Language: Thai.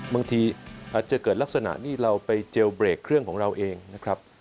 บางทีอาจจะเกิดลักษณะนี่เราไปเจลเบรกเครื่องของเราเองนะครับ